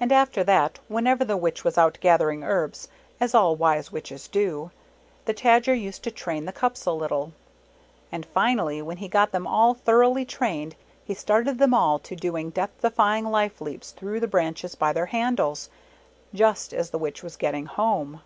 And after that, whenever the Witch was out gathering herbs, as all wise Witches do, the Tajer used to train the cups a little. And finally when he got them all thoroughly trained he started them all to doing Death defying life leaps through the branches by their handles, just as the Witch was getting home.